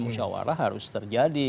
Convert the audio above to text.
musyawarah harus terjadi